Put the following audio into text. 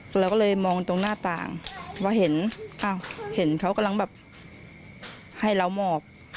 เราก็เลยมองตรงหน้าต่างพอเห็นอ้าวเห็นเขากำลังแบบให้เราหมอบ